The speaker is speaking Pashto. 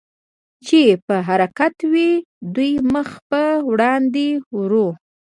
چې په حرکت وې، دوی مخ په وړاندې ورو.